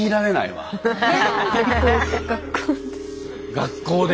学校で。